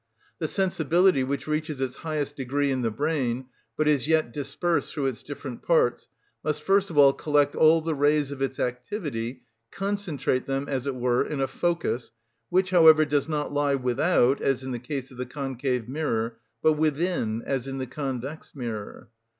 The sensibility, which reaches its highest degree in the brain, but is yet dispersed through its different parts, must first of all collect all the rays of its activity, concentrate them, as it were, in a focus, which, however, does not lie without, as in the case of the concave mirror, but within, as in the convex mirror.